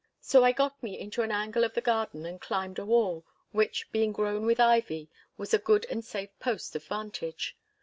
So I got me into an angle of the garden and climbed a wall, which, being grown with ivy, was a good and safe post of vantage.